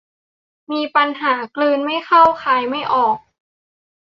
มีปัญหากลืนไม่เข้าคายไม่ออก